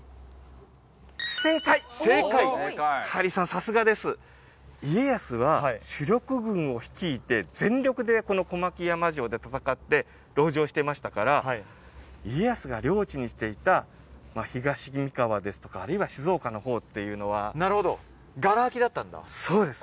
さすがです家康は主力軍を率いて全力でこの小牧山城で戦って籠城していましたからはい家康が領地にしていた東三河ですとかあるいは静岡の方っていうのはなるほどガラ空きだったんだそうです